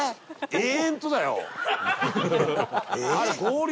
永遠とだよ。